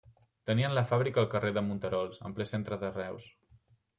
Tenien la fàbrica al carrer de Monterols, en ple centre de Reus.